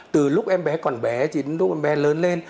từ lúc em bé còn bé thì lúc em bé lớn lên